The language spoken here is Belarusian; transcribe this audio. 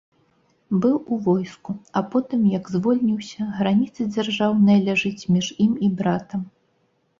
Быў у войску, а потым, як звольніўся, граніца дзяржаўная ляжыць між ім і братам.